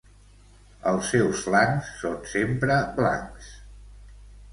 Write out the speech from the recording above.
Els seus flancs són sempre blancs.